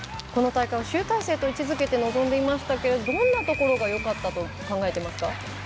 この大会を集大成と位置づけて臨んでいましたけどどんなところがよかったと考えてますか。